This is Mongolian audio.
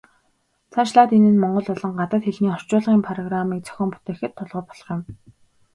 Цаашлаад энэ нь монгол болон гадаад хэлний орчуулгын программыг зохион бүтээхэд тулгуур болох юм.